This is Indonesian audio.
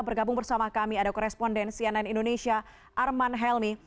bergabung bersama kami ada korespondensi ann indonesia arman helmi